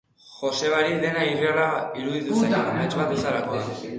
Josebari dena irreala iruditu zaio, amets bat bezalakoa.